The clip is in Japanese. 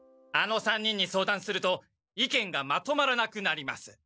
あの３人に相談すると意見がまとまらなくなります。